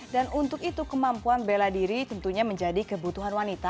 dan untuk itu kemampuan bela diri tentunya menjadi kebutuhan wanita